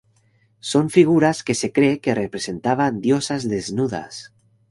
Son figuras que se cree que representan diosas desnudas.